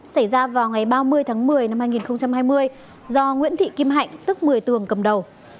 xảy ra vào ngày ba mươi tháng một mươi năm hai nghìn hai mươi do nguyễn thị kim hạnh tức một mươi tường cầm đầu